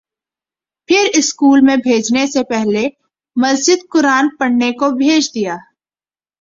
پھر اسکول میں بھیجنے سے پہلے مسجد قرآن پڑھنے کو بھیج دیا